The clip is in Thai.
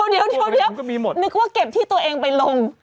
เดี๋ยวนึกว่าเก็บที่ตัวเองไปลง